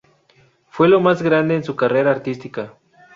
Fue lo más grande en su carrera artística.